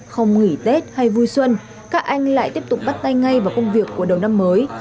không nghỉ tết hay vui xuân các anh lại tiếp tục bắt tay ngay vào công việc của đầu năm mới